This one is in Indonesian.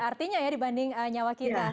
artinya ya dibanding nyawa kita